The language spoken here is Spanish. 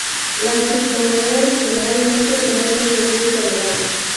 Las criptomonedas generalmente no son de curso legal.